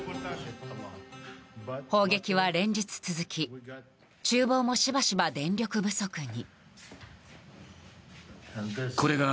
砲撃は連日続き厨房もしばしば電力不足に。